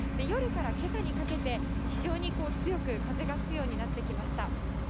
夜からけさにかけて、非常に強く風が吹くようになってきました。